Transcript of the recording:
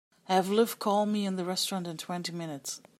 Have Liv call me in the restaurant in twenty minutes.